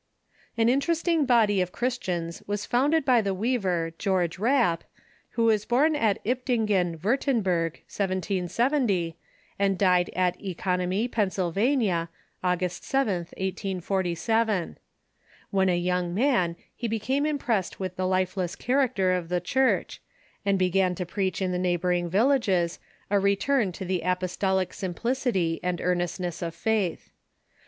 An interesting body of Christians was founded by the weaver George Kapp, who was born at Iptingen, AViirtemberg, 1770, and died at Economy, Pennsylvania, Auo; ust The Rappists ,^,,^,"^",,. 7th, 184/. When a young man he became im pressed with the lifeless character of the Church, and began to preach in the neighboring villages a return to the apostolic simplicity and earnestness of faith.